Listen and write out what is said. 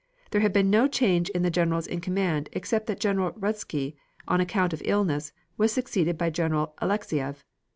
There had been no change in the generals in command except that General Ruzsky, on account of illness, was succeeded by General Alexeiev.